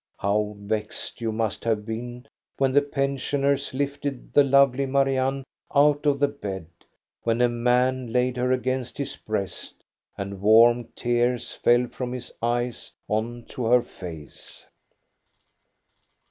How vexed you must have been when the pensioners lifted the lovely Marianne out of the bed, when a man laid her against his breast, and warm tears fell from his eyes on to her face.